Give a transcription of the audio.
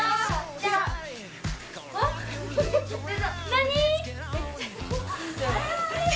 何！？